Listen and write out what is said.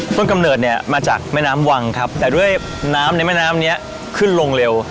กำเนิดเนี่ยมาจากแม่น้ำวังครับแต่ด้วยน้ำในแม่น้ำเนี้ยขึ้นลงเร็ว